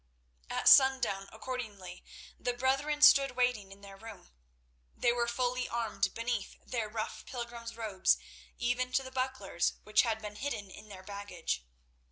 At sundown, accordingly, the brethren stood waiting in their room. They were fully armed beneath their rough pilgrims' robes, even to the bucklers which had been hidden in their baggage.